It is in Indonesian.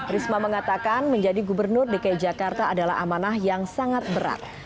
risma mengatakan menjadi gubernur dki jakarta adalah amanah yang sangat berat